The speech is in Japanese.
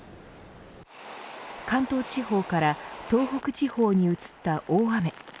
関東地方から東北地方に移った大雨。